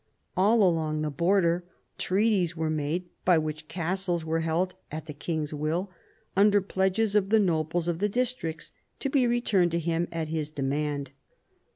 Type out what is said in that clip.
All along the border, treaties were made by which castles were held at the king's will, under pledges of the nobles of the districts, to be returned to him at his demand.